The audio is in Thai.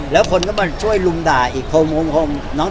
แล้วคนก็มาช่วยลุมด่าอีก๖โมง